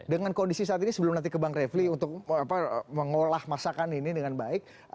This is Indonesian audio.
dengan kondisi saat ini sebelum nanti ke bang refli untuk mengolah masakan ini dengan baik